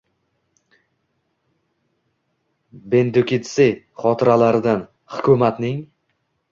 Bendukidze xotiralaridan: Hukumatning